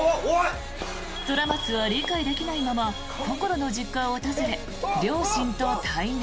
虎松は理解できないままこころの実家を訪れ両親と対面。